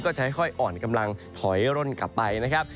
จะค่อยอ่อนกำลังถอยร่นกลับไปนะครับ